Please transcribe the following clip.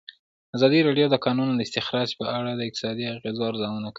ازادي راډیو د د کانونو استخراج په اړه د اقتصادي اغېزو ارزونه کړې.